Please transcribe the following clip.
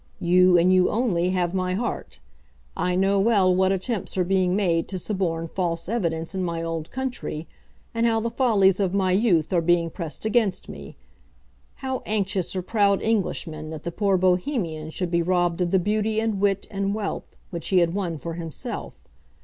You, and you only, have my heart. I know well what attempts are being made to suborn false evidence in my old country, and how the follies of my youth are being pressed against me, how anxious are proud Englishmen that the poor Bohemian should be robbed of the beauty and wit and wealth which he had won for himself.